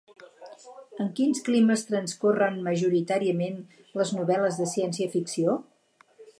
En quins climes transcorren majoritàriament les novel·les de ciència-ficció?